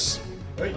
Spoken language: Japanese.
はい。